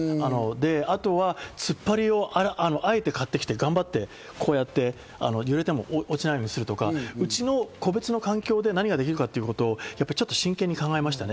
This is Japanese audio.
で、あとはつっぱりをあえて買ってきて頑張ってこうやって揺れても落ちないようにするとか、うちの個別の環境で何ができるかということを真剣に考えました。